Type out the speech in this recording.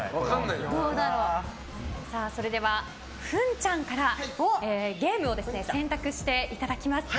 それでは、ふんちゃんからゲームを選択していただきます。